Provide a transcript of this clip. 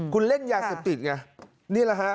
คุณเล่นยาเสพติดไง